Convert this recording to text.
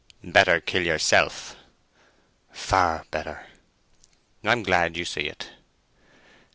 "Better kill yourself." "Far better." "I'm glad you see it."